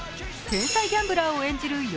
天才ギャンブラーを演じる